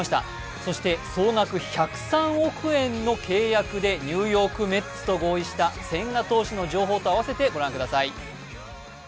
そして総額１０３億円の契約でニューヨーク・メッツと合意した千賀投手の情報と合わせてご覧ください。